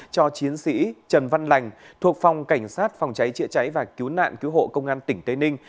cho chiến sĩ trần văn lành thuộc phòng cảnh sát phòng cháy chữa cháy và cứu nạn cứu hộ công an tỉnh tây ninh